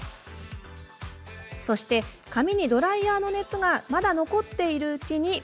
そして、髪にドライヤーの熱がまだ残っているうちに。